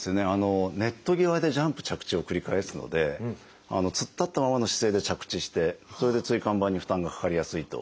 ネット際でジャンプ着地を繰り返すので突っ立ったままの姿勢で着地してそれで椎間板に負担がかかりやすいと考えられるんです。